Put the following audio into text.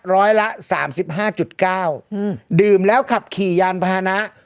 ร้อยละ๓๕๙ดื่มแล้วขับขี่ยานพาหนะ